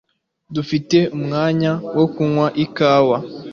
Dufite umwanya wo kunywa ikawa?